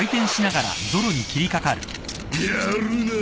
やるなぁ。